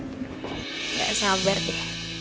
gak sabar deh